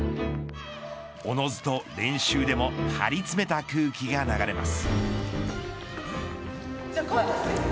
おのずと練習でも張りつめた空気が流れます。